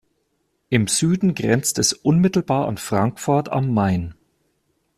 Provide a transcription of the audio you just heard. Im Süden grenzt es unmittelbar an Frankfurt am Main.